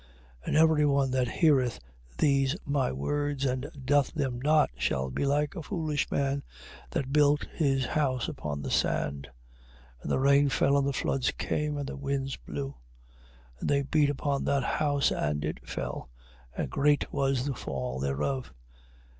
7:26. And every one that heareth these my words and doth them not, shall be like a foolish man that built his house upon the sand, 7:27. And the rain fell, and the floods came, and the winds blew, and they beat upon that house, and it fell, and great was the fall thereof.